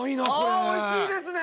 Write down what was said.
ああおいしいですね。